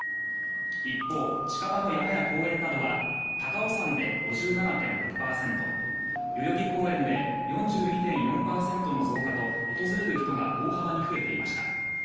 一方、近場の山や公園などは高尾山で５７．６％代々木公園で４２．４％の増加と訪れる人が大幅に増えていました。